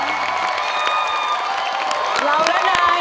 จดจำไว้ตลอดไปไม่ทิ้งกัน